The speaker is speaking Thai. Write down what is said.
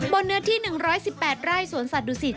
บนเนื้อที่๑๑๘ไร่สวนสัตว์ดูสิต